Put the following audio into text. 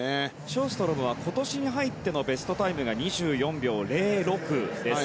ショーストロムは今年に入ってのベストタイムが２４秒０６です。